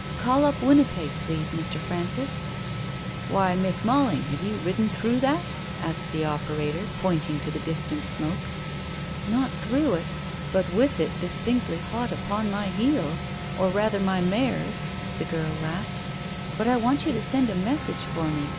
Call up Winnipeg, please, Mr. Frances." "Why, Miss Mailing, have you ridden through that?" asked the operator, pointing to the distant smoke. "Not through it, but with it distinctly hot upon my heels or rather my mare's," the girl laughed. "But I want you to send a message for me.